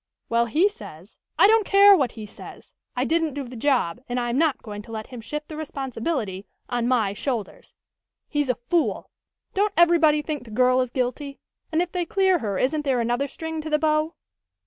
"Well, he says " "I don't care what he says. I didn't do the job, and I am not going to let him shift the responsibility on my shoulders. He's a fool. Don't everybody think the girl is guilty, and if they clear her isn't there another string to the bow?"